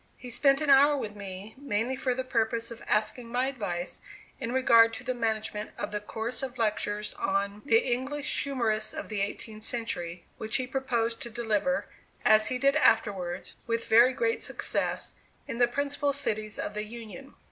He spent an hour with me, mainly for the purpose of asking my advice in regard to the management of the course of lectures on "The English Humorists of the Eighteenth Century," which he proposed to deliver, as he did afterwards, with very great success, in the principal cities of the Union.